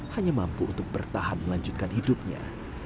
hanya mampu untuk bertahan melanjutkan hidupnya